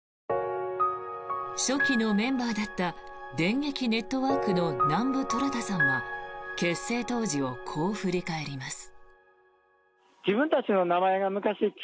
初期のメンバーだった電撃ネットワークの南部虎弾さんは結成当時をこう振り返ります。